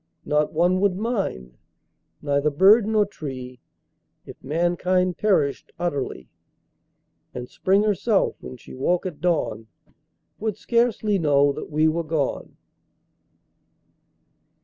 Not one would mind, neither bird nor tree If mankind perished utterly; And Spring herself, when she woke at dawn, Would scarcely know that we were gone.